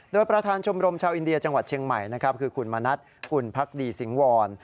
โดยประธานชมรมชาวอินเดียจังหวัดเชียงใหม่นะครับคือคุณมณัฐอุ่นพักดีสิงวร